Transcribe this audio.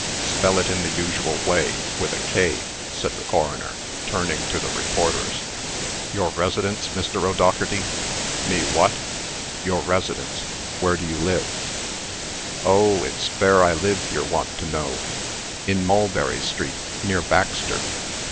"Spell it in the usual way, with a 'k'" said the coroner, turning to the reporters. "Your residence, Mr. O'Dougherty?" "Me what?" "Your residence. Where do you live?" "Oh! it's fare I live yer want to know. In Mulberry street, near Baxter."